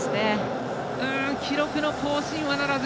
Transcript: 記録の更新はならず。